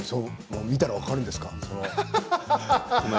見たら分かるんですか？